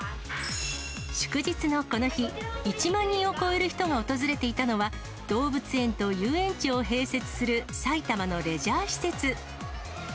祝日のこの日、１万人を超える人が訪れていたのは、動物園と遊園地を併設する埼玉のレジャー施設。